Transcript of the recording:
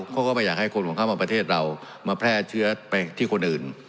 เขาก็ไม่อยากให้คนของเขามาประเทศเรามาแพร่เชื้อไปที่คนอื่น